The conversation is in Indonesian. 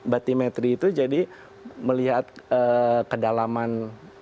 batimetri itu jadi melihat kedalaman